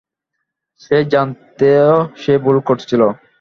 সে জানত সে ভুল করছিল।